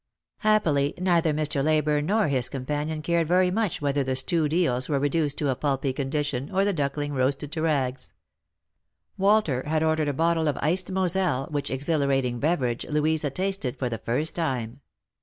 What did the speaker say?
Happily, neither Mr. Leyburne nor his companion cared very much whether the stewed eels were reduced to a pulpy condition, or the duckling roasted to rags. "Walter had ordered a bottle of iced Moselle, which exhilarating beverage Louisa tasted for the first time.